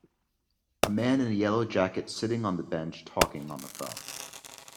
A man in a yellow jacket sitting on the bench talking on the phone.